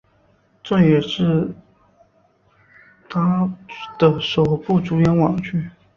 这也是他的首部主演网剧。